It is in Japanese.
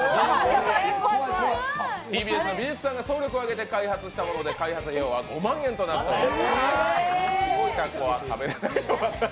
ＴＢＳの美術さんが総力を挙げて開発したもので開発費用は５万円となっております